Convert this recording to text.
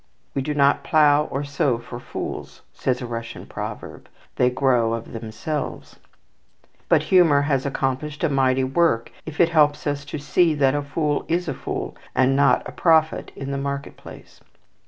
"We do not plough or sow for fools," says a Russian proverb, "they grow of themselves"; but humour has accomplished a mighty work if it helps us to see that a fool is a fool, and not a prophet in the market place.